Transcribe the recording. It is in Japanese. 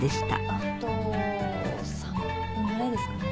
あと３分ぐらいですかね。